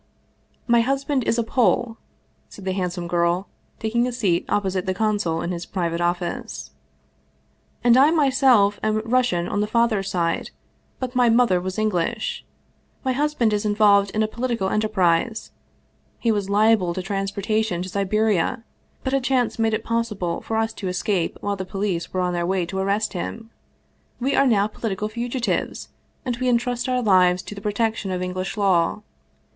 " My husband is a Pole," said the handsome girl, taking a seat opposite the consul in his private office, " and I my self am Russian on the father's side, but my mother was English. My husband is involved in a political enterprise ; he was liable to transportation to Siberia, but a chance made it possible for us to escape while the police were on their way to arrest him. We are now political fugitives, and we intrust our lives to the protection of English law.